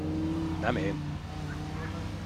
Nem én.